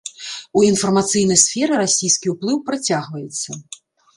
У інфармацыйнай сферы расійскі ўплыў працягваецца.